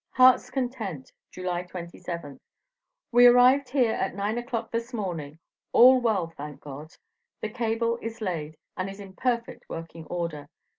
"HEARTS CONTENT, July 27th. "We arrived here at nine o'clock this morning. All well, thank God. The Cable is laid, and is in perfect working order.